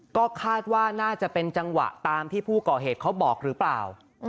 ก็คาดว่าน่าจะเป็นจังหวะตามที่ผู้ก่อเหตุเขาบอกหรือเปล่า